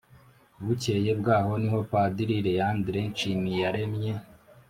bukeye bwaho, niho padiri léandre nshimyiyaremye